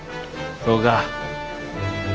そうか。